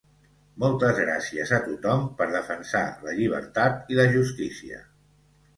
Moltes gràcies a tothom per defensar la llibertat i la justícia.